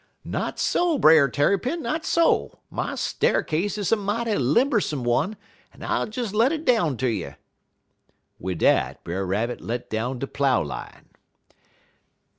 "'Not so, Brer Tarrypin, not so. My sta'rcase is a mighty limbersome one, en I'll des let it down ter you.' "Wid dat, Brer Rabbit let down de plough line.